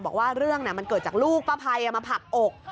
บอกว่าเรื่องมันเกิดจากลูกป้าภัยมาผลักอก